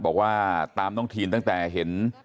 บอกว่าตามน้องทีนตั้งแต่เห็น